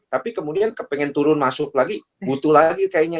tapi kemudian kepengen turun masuk lagi butuh lagi kayaknya